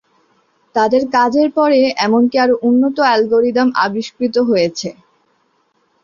তাদের কাজের পরে, এমনকি আরো উন্নত অ্যালগরিদম আবিষ্কৃত হয়েছে।